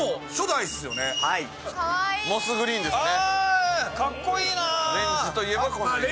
モスグリーンですね。